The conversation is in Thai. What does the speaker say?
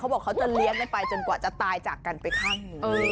บอกเขาจะเลี้ยงกันไปจนกว่าจะตายจากกันไปข้างหนึ่ง